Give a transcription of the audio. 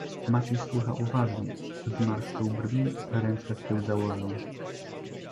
"Maciuś słucha uważnie; zmarszczył brwi, ręce w tył założył."